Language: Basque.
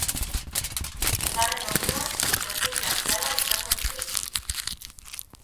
Bigarren orduan, tertulia birala izango dute.